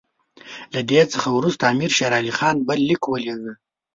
له دې څخه وروسته امیر شېر علي خان بل لیک ولېږه.